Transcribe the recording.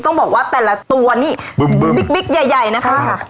ต้องบอกว่าแต่ละตัวนี่บึ้มบึ้มบิ๊กบิ๊กใหญ่ใหญ่นะคะใช่ค่ะ